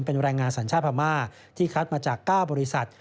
เป็นแรงงานสัญชาติพม่าที่คัดมาจาก๙บริษัท